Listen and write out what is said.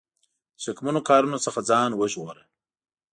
د شکمنو کارونو څخه ځان وژغوره.